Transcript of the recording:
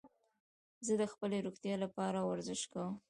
زه د خپلي روغتیا له پاره ورزش کوم.